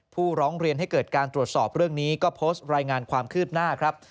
ผู้ร้องเรียนให้เกิดการตรวจสอบเรื่องนี้ก็โพสต์รายงานความคืบหน้าครับ